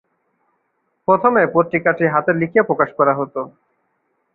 প্রথমে পত্রিকাটি হাতে লিখে প্রকাশ করা হত।